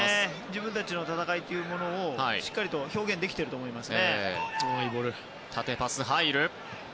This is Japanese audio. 自分たちの戦いをしっかり表現できていると思います。